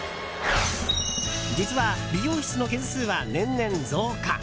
実は、美容室の軒数は年々増加。